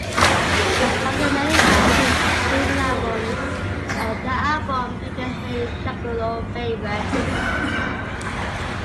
As one of the many fan favorite albums, the album features many Juggalo favorites.